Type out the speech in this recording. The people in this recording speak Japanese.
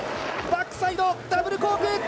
バックサイドダブルコーク１２６０